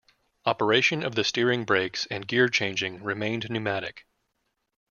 Operation of the steering brakes and gear changing remained pneumatic.